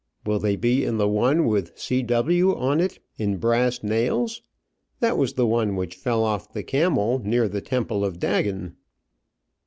Will they be in the one with C. W. on it in brass nails? That was the one which fell off the camel near the Temple of Dagon."